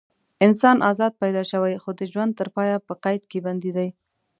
انسان ازاد پیدا شوی خو د ژوند تر پایه په قید کې بندي دی.